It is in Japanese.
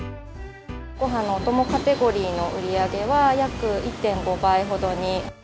ごはんのお供カテゴリーの売り上げは、約１．５倍ほどに。